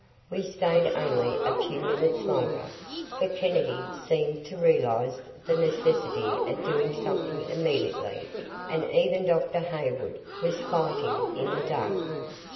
We stayed only a few minutes longer, for Kennedy seemed to realize the necessity of doing something immediately and even Dr. Hayward was fighting in the dark.